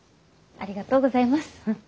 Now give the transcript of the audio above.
ありがとうございます。